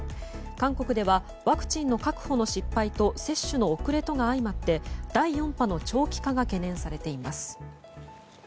韓国ではワクチンの確保の失敗と接種の遅れとが相まって第４波の長期化が懸念されています。